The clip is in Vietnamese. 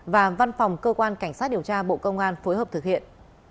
và văn phòng cơ quan cảnh sát điều tra bộ công an phối hợp thực hiện